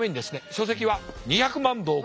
書籍は２００万部を超え。